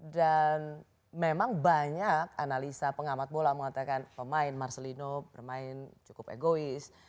dan memang banyak analisa pengamat bola mengatakan pemain marcelino pemain cukup egois